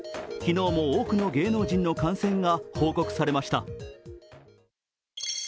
昨日も多くの芸能人の感染が報告されました。